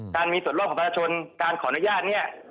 การมีส่วนร่วมของประชาชนการขออนุญาตเนี่ย